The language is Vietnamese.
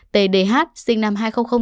t d h sinh năm hai nghìn sáu